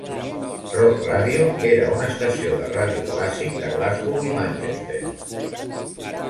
Rock Radio era una estació de ràdio clàssic de Glasgow i Manchester.